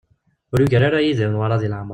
Ur yugar ara Yidir Newwara di leɛmer.